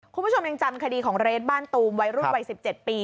คุณผู้ชมยังจำคดีของเรทบ้านตูมวัยรุ่นวัย๑๗ปี